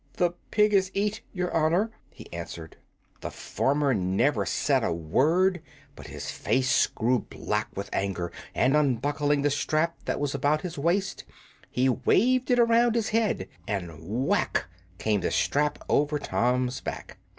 "The pig is eat, your honor," he answered. The farmer said never a word, but his face grew black with anger, and, unbuckling the strap that was about his waist, he waved it around his head, and whack! came the strap over Tom's back.